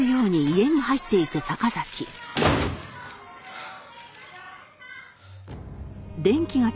はあ。